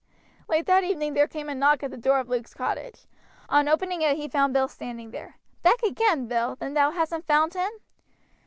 Late that evening there came a knock at the door of Luke's cottage. On opening it he found Bill standing there. "Back again, Bill! then thou hasn't found him?"